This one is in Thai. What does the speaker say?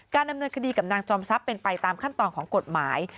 ดำเนินคดีกับนางจอมทรัพย์เป็นไปตามขั้นตอนของกฎหมาย